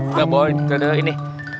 udah boleh udah udah ini